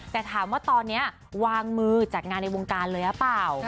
แต่ถามว่าตอนนี้วางมือจัดงานในวงการเลยหรือเปล่า